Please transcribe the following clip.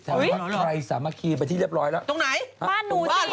สถานีครายสามะคีในที่เรียบร้อยแล้ว